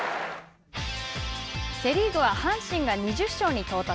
セ・リーグは阪神が２０勝に到達。